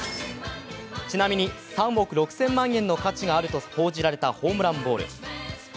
ちなみに３億６０００万円の価値があると報じられたホームランボール。